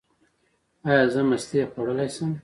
ایا زه مستې خوړلی شم؟